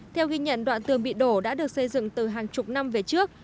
theo ghi nhận đoạn tường bị đổ đã được xây dựng từ hàng chục năm về trước